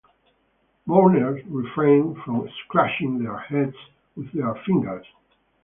Mourners refrained from scratching their heads with their fingers.